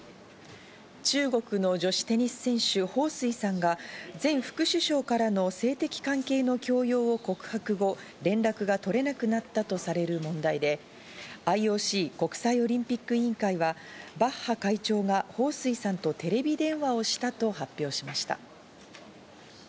中国の女子テニス選手、ホウ・スイさんが前副首相からの性的関係の強要を告白後、連絡が取れなくなったとされる問題で、ＩＯＣ＝国際オリンピック委員会はバッハ会長がホウ・スイさんとテレビ電話をしたと発表しました。